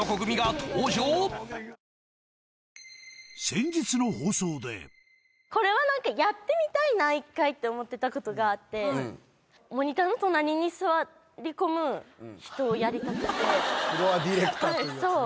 先日の放送でこれはなんかやってみたいな１回って思ってたことがあってモニターの隣に座り込む人をやりたくてフロアディレクターというやつね